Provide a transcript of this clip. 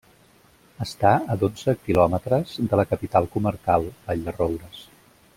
Està a dotze quilòmetres de la capital comarcal, Vall-de-roures.